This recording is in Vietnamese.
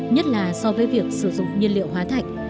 nhất là so với việc sử dụng nhiên liệu hóa thạch